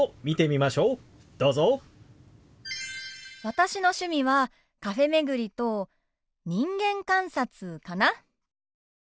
私の趣味はカフェ巡りと人間観察かな。